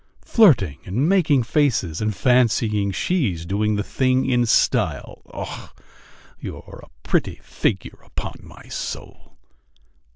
Flirting and making faces, and fancying she's doing the thing in style! Ugh! you're a pretty figure, upon my soul!"